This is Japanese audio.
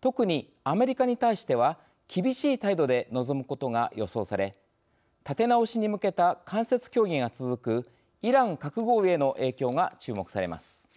特に、アメリカに対しては厳しい態度で臨むことが予想され立て直しに向けた間接協議が続くイラン核合意への影響が注目されます。